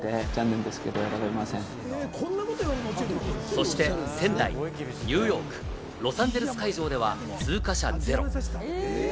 そして仙台、ニューヨーク、ロサンゼルス会場では通過者ゼロ。